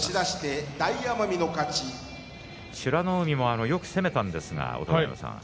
美ノ海もよく攻めたんですけども。